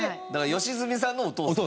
良純さんのお父さん。